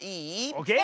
オーケー！